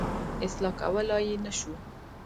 اصلاح کولای یې نه شو.